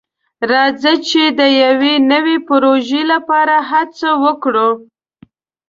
راځه چې د یو نوي پروژې لپاره هڅه وکړو.